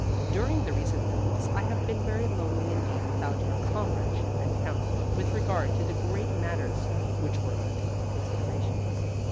During the recent months I have been very lonely indeed without your comradeship and counsel with regard to the great matters which were under consideration.